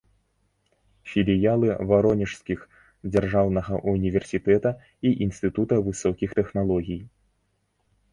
Філіялы варонежскіх дзяржаўнага ўніверсітэта і інстытута высокіх тэхналогій.